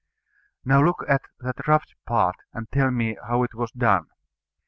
Now look at that rubbed part, and tell me how it was done.